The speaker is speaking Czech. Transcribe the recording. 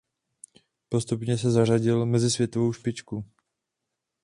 Postupně se zařadili mezi světovou špičku.